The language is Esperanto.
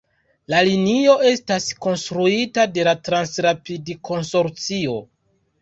La linio estas konstruita de la Transrapid-konsorcio.